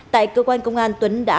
tại cơ quan công an tuấn đã